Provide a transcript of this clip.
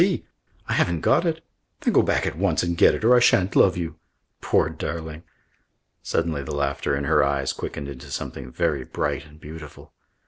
C?' 'I haven't got it.' 'Then go back at once and get it or I shan't love you.' Poor darling!" Suddenly the laughter in her eyes quickened into something very bright and beautiful.